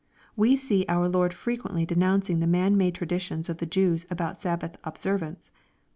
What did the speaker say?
We see our Lord frequently denouncing the man made traditions of the Jews about Sabbath observance.